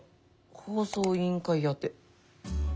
放送委員会宛て。